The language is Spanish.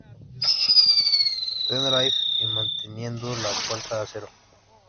Tenerife y manteniendo la puerta a cero.